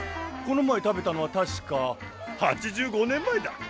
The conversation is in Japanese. この前食べたのは確か８５年前だ。